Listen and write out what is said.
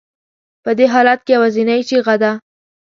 په دې حالت کې یوازینۍ چیغه ده.